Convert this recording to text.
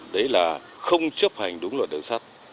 đấy là không chấp hành đúng luật đường sắt